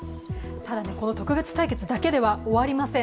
ただこの特別対決だけでは終わりません。